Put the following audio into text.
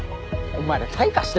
お前ら退化してんぞ。